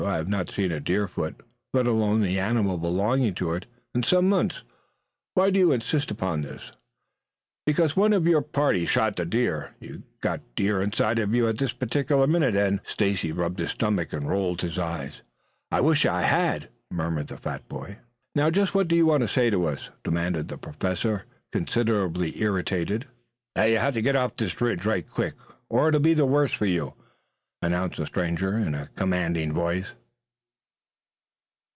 I have not seen a deer foot, let alone the animal belonging to it, in some months. Why do you insist upon this?" "Because one of your party shot the deer. You've got deer inside of you at this particular minute and " Stacy rubbed his stomach and rolled his eyes. "I wish I had," murmured the fat boy. "Now just what do you want to say to us?" demanded the Professor, considerably irritated. "That you'll have to get off this Ridge right quick or it'll be the worse for you," announced the stranger in a commanding voice.